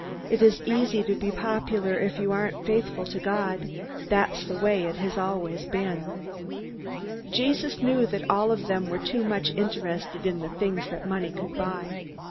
It is easy to be popular if you aren't faithful to God. That's the way it has always been." Jesus knew that all of them were too much interested in the things that money could buy.